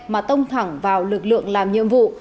mà tông thẳng vào lực lượng làm nhiệm vụ